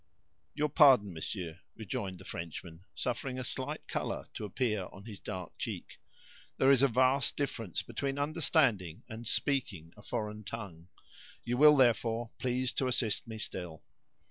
"Your pardon, monsieur," rejoined the Frenchman, suffering a slight color to appear on his dark cheek. "There is a vast difference between understanding and speaking a foreign tongue; you will, therefore, please to assist me still."